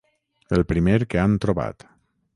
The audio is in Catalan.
El primer que han trobat.